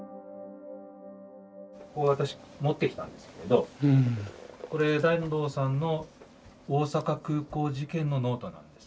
私持ってきたんですけれどこれ團藤さんの大阪空港事件のノートなんです。